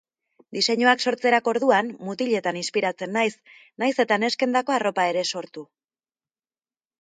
Diseinuak sortzerako orduan mutiletan inspiratzen naiz, nahiz eta neskendako arropa ere sortu.